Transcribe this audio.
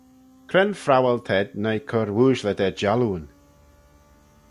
Cre'n phrowal t'ayd noi cur ooashley da jallooyn?